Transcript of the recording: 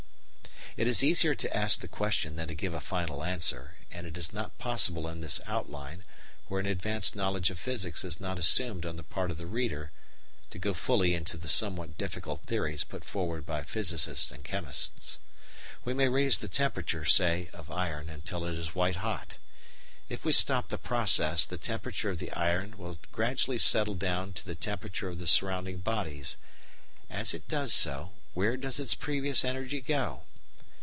It is easier to ask the question than to give a final answer, and it is not possible in this OUTLINE, where an advanced knowledge of physics is not assumed on the part of the reader, to go fully into the somewhat difficult theories put forward by physicists and chemists. We may raise the temperature, say, of iron, until it is white hot. If we stop the process the temperature of the iron will gradually settle down to the temperature of surrounding bodies. As it does so, where does its previous energy go?